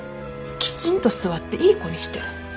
きちんと座っていい子にしてる。